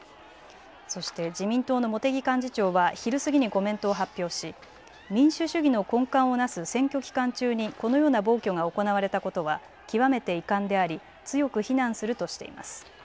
そして自民党の茂木幹事長は昼過ぎにコメントを発表し民主主義の根幹をなす選挙期間中にこのような暴挙が行われたことは極めて遺憾であり強く非難するとしています。